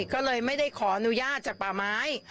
ก็เลยไม่ได้ขออนุญาตจากป่าไม้